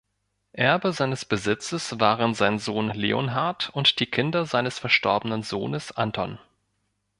Erbe seines Besitzes waren sein Sohn Leonhard und die Kinder seines verstorbenen Sohnes Anton.